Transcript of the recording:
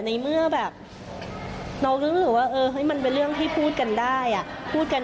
ในเมื่อแบบเราก็รู้สึกว่ามันเป็นเรื่องที่พูดกันได้พูดกัน